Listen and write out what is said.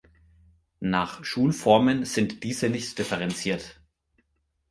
Nach Schulformen sind diese nicht differenziert.